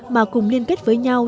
mà cùng liên kết với nhau